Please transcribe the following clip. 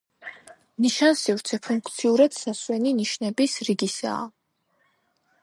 ნიშანსივრცე ფუნქციურად სასვენი ნიშნების რიგისაა.